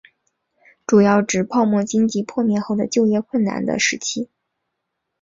主要指泡沫经济破灭后的就业困难的时期。